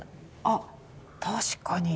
あ確かに。